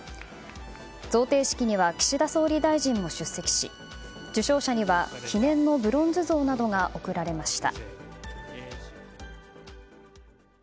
贈呈式には岸田総理大臣も出席し受賞者には記念のブロンズ像などが贈られました。